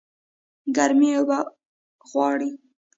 ګرمي اوبه غواړي